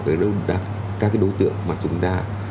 các cái đối tượng mà chúng ta